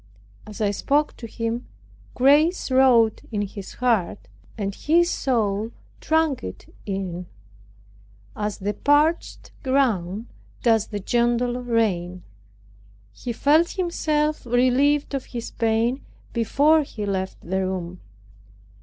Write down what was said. As I spoke to him grace wrought in his heart, and his soul drank it in, as the parched ground does the gentle rain. He felt himself relieved of his pain before he left the room.